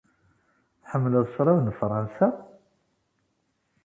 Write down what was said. Tḥemmleḍ ccrab n Fransa?